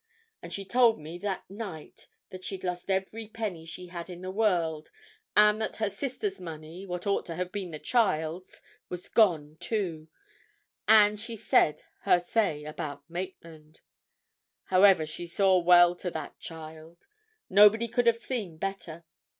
And she told me that night that she'd lost every penny she had in the world, and that her sister's money, what ought to have been the child's, was gone, too, and she said her say about Maitland. However, she saw well to that child; nobody could have seen better.